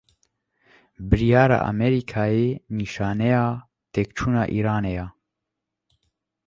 Biryara Emerîkayê, nîşaneya têkçûna Îranê ye